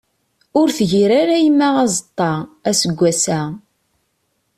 Ur tgir ara yemma azeṭṭa, aseggas-a.